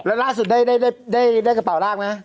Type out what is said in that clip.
แล้วล่าสุดได้กระเป๋ารากไหม